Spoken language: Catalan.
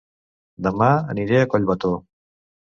Dema aniré a Collbató